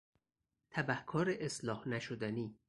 تبهکار اصلاح نشدنی